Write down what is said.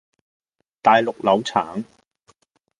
大陸柳橙